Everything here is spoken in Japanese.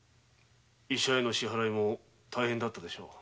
医者への支払いも大変だったでしょう。